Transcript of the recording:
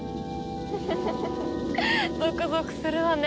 フフフフフゾクゾクするわね。